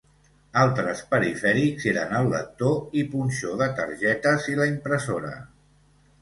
Altres perifèrics eren el lector i punxó de targetes i la impressora.